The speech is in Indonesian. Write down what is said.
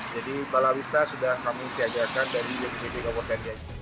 jadi balawista sudah kami siagakan dari yogyakarta ke bukit jaya